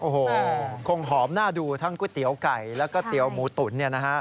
โอ้โฮคงหอมหน้าดูทั้งก๋วยเตี๋ยวไก่แล้วก็ก๋วยเตี๋ยวหมูตุ๋น